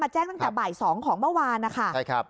แจ้งตั้งแต่บ่าย๒ของเมื่อวานนะคะ